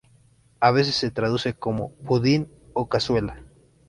A veces se traduce como "budín" o "cazuela".